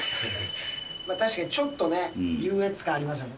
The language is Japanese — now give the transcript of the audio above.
確かにちょっとね、優越感ありますよね。